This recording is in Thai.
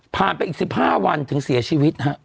ไปอีก๑๕วันถึงเสียชีวิตฮะ